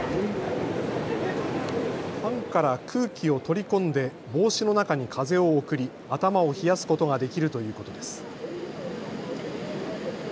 ファンから空気を取り込んで帽子の中に風を送り、頭を冷やすことができるということです。